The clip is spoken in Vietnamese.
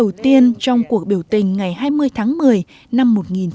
đầu tiên trong cuộc biểu tình ngày hai mươi tháng một mươi năm một nghìn chín trăm bảy mươi